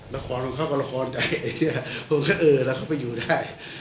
ละครเขาก็ละครผมก็เออแล้วเข้าไปอยู่ได้